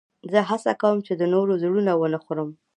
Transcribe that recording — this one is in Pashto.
زه هڅه کوم، چي د نورو زړونه و نه خورم.